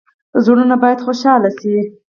زړونه باید خوشحاله شي